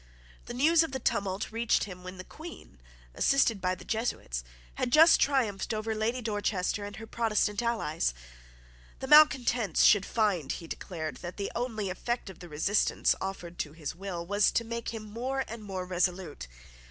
The news of the tumult reached him when the Queen, assisted by the Jesuits, had just triumphed over Lady Dorchester and her Protestant allies. The malecontents should find, he declared, that the only effect of the resistance offered to his will was to make him more and more resolute.